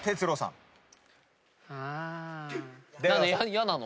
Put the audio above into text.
嫌なの？